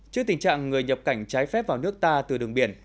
trước tình trạng người nhập cảnh trái phép vào nước ta từ đường biển